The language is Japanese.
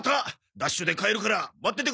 ダッシュで帰るから待っててくれ！